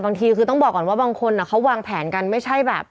บางทีคือต้องบอกก่อนว่าบางคนเขาวางแผนกันไม่ใช่แบบ